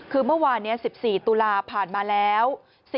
คือเมื่อวานนี้๑๔ตุลาผ่านมาแล้ว